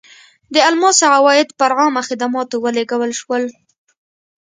د الماسو عواید پر عامه خدماتو ولګول شول.